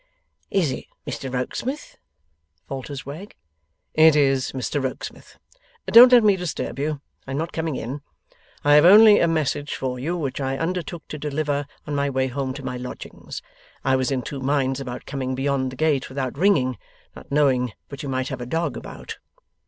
'Is it Mr Rokesmith?' falters Wegg. 'It is Mr Rokesmith. Don't let me disturb you. I am not coming in. I have only a message for you, which I undertook to deliver on my way home to my lodgings. I was in two minds about coming beyond the gate without ringing: not knowing but you might have a dog about.